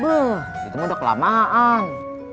beuh itu udah kelamaan